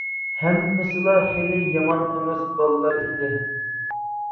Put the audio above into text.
ھەممىسىلا خېلى يامان ئەمەس بالىلار ئىدى.